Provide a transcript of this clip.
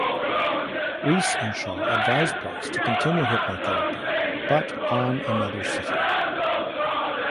Reese and Shaw advise Price to continue hypnotherapy but on another city.